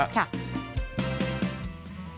ครับ